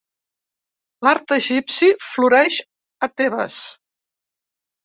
L'art egipci floreix a Tebes.